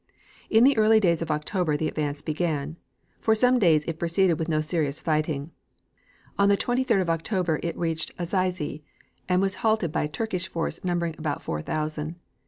In the early days of October the advance began. For some days it proceeded with no serious fighting. On the 23d of October it reached Azizie, and was halted by a Turkish force numbering about four thousand.